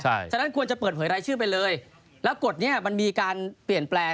ฉะนั้นควรจะเปิดเผยรายชื่อไปเลยแล้วกฎนี้มันมีการเปลี่ยนแปลง